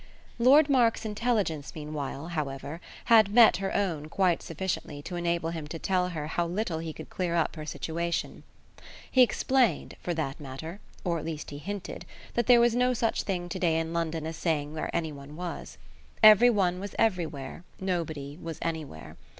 Lord Mark's intelligence meanwhile, however, had met her own quite sufficiently to enable him to tell her how little he could clear up her situation. He explained, for that matter or at least he hinted that there was no such thing to day in London as saying where any one was. Every one was everywhere nobody was anywhere.